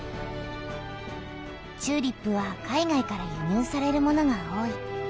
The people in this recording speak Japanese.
チューリップは海外からゆにゅうされるものが多い。